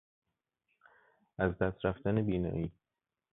از دست رفتن بینایی